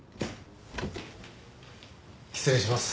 失礼します。